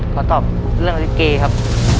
ขอตอบเรื่องลิเกครับ